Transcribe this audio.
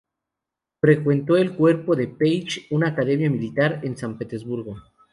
Frecuentó el cuerpo de pages, una academia militar en San Petersburgo.